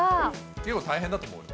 結構、大変だと思うよ。